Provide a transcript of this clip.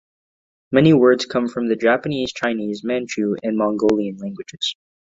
Many words come from the Japanese, Chinese, Manchu and Mongolian languages.